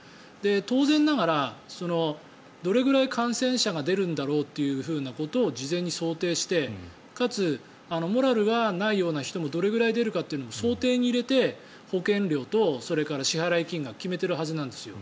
当然ながら、どれぐらい感染者が出るんだろうということを事前に想定してかつ、モラルがないような人もどれぐらい出るかというのも想定に入れて保険料と支払い金額を決めているはずなんですよ。